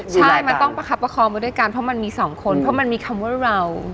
ใช่มันต้องประคับประคองมาด้วยกันเพราะมันมีสองคนเพราะมันมีคำว่าเรา